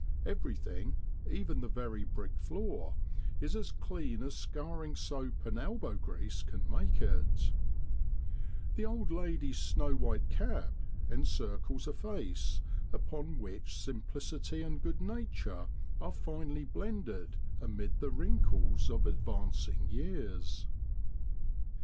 Everything even the very brick floor is as clean as scouring soap and elbow grease can make it. The old lady's snow white cap encircles a face upon which simplicity and good nature are finely blended amid the wrinkles of advancing years.